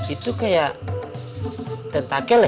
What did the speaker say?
itu kayak tentakel ya